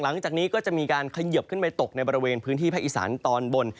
หลังจากนี้ก็จะมีการเขยิบขึ้นไปตกในบริเวณพื้นที่ภาคอีสานตอนบน